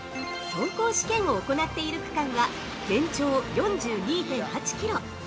◆走行試験を行っている区間は全長４２．８キロ。